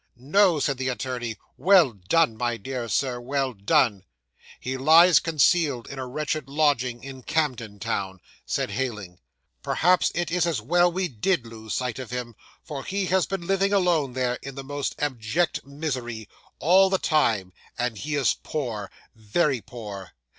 '"No!" said the attorney. "Well done, my dear sir, well done." '"He lies concealed in a wretched lodging in Camden Town," said Heyling. "Perhaps it is as well we _did _lose sight of him, for he has been living alone there, in the most abject misery, all the time, and he is poor very poor."